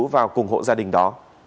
vào cùng hộ gia đình đó